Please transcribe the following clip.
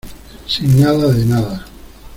sin nada de nada.